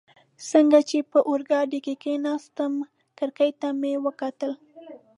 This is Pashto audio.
څنګه چي په اورګاډي کي کښېناستم، کړکۍ ته مې وکتل.